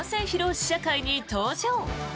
試写会に登場。